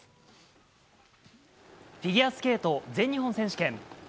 フィギュアスケート全日本選手権。